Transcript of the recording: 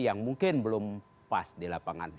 yang mungkin belum pas di lapangan